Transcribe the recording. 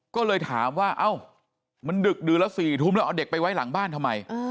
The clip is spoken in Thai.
ก็เลยถามว่าเอ้ามันดึกดื่นละ๔ทุ่มแล้วเอาเด็กไปไว้หลังบ้านทำไม